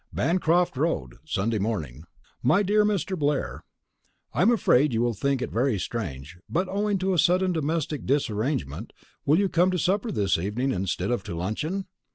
BANCROFT ROAD, Sunday Morning. MY DEAR MR. BLAIR, I am afraid you will think it very strange, but, owing to a sudden domestic disarrangement, will you come to supper, this evening, instead of to luncheon?